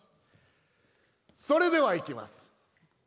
それではいきます。